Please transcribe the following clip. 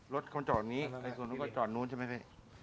รถคนจอดอนนี้ในทั้งส่วนหนึ่งก็จอดนู้นใช่ไหมฟะ